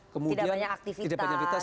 kemudian tidak banyak aktivitas